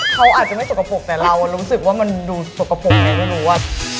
เขาอาจจะไม่สกปรกแต่เรารู้สึกว่ามันดูสกปรกเลยไม่รู้ว่า